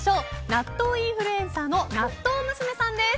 納豆インフルエンサーのなっとう娘さんです。